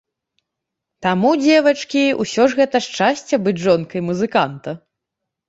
Таму, дзевачкі, усё ж гэта шчасце, быць жонкай музыканта!